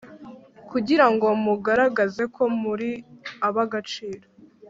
kugira ngo mugaragaze ko muri abagaciro